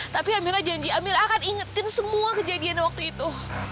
tapi emila janji amela akan ingetin semua kejadian waktu itu